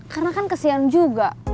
karena kan kesian juga